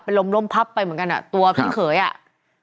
เป็นลมล้มพับไปเหมือนกันอ่ะตัวพี่เขยอ่ะ